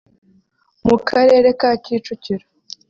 mu karere ka Kicukiro